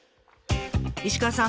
石川さん